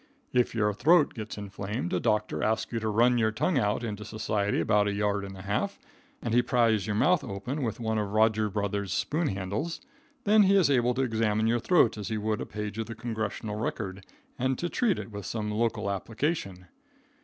If your throat gets inflamed, a doctor asks you to run your tongue out into society about a yard and a half, and he pries your mouth open with one of Rogers Brothers' spoon handles. Then he is able to examine your throat as he would a page of the Congressional Record, and to treat it with some local application.